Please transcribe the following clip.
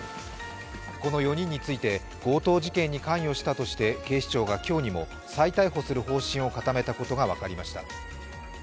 この４人について強盗事件に関与したとして、警視庁が今日にも再逮捕する方針を固めたことが分かりました。